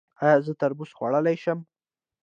ایا زه تربوز خوړلی شم؟